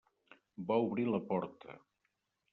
Va obrir la porta.